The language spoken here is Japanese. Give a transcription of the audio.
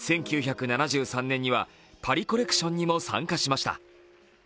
１９７３年にはパリコレクションにも参加しました。